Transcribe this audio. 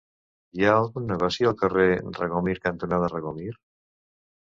Hi ha algun negoci al carrer Regomir cantonada Regomir?